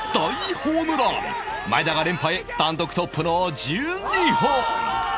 前田が連覇へ単独トップの１２本